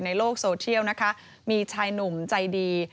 ในโลกโซเชียลมีชายหนุ่มใจดี